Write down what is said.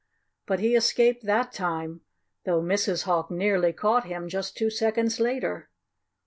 But he escaped that time, though Mrs. Hawk nearly caught him just two seconds later.